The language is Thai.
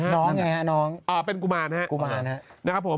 นางน่ะนานนั้น